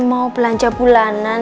mau belanja bulanan